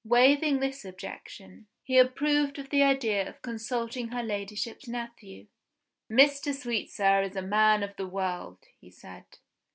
Waiving this objection, he approved of the idea of consulting her Ladyship's nephew. "Mr. Sweetsir is a man of the world," he said.